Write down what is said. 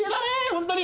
本当に。